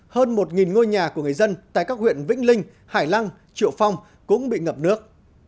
hơn một ngôi nhà của người dân tại các huyện vĩnh linh hải lăng triệu phong cũng bị ngập nước